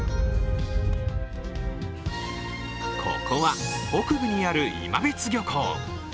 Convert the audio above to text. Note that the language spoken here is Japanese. ここは北部にある今別漁港。